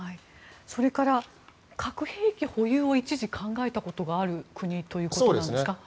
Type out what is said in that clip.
それから核兵器保有を一時、考えたことがある国ということなんですか？